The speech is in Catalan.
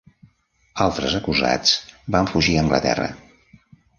Altres acusats van fugir a Anglaterra.